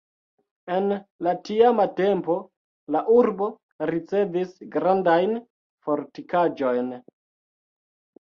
En la tiama tempo la urbo ricevis grandajn fortikaĵojn.